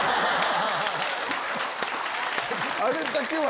あれだけは。